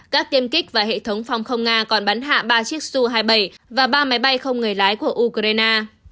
các tiêm kích và hệ thống phòng không nga còn bắn hạ ba chiếc su hai mươi bảy và ba máy bay không người lái của ukraine